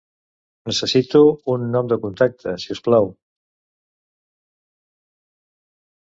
Necessito un nom de contacte, si us plau.